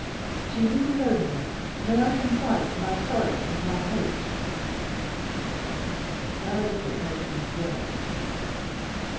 "To you alone, then, may I confide my sorrows and my hopes?" The paralytic motioned "Yes."